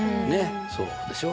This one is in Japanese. そう。でしょ。